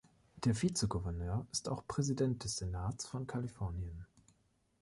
Der Vizegouverneur ist auch Präsident des Senats von Kalifornien.